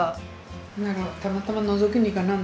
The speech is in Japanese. ならたまたまのぞきに行かなんだら